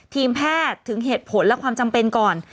ทีมแพทย์ถึงเหตุผลและความจำเป็นก่อน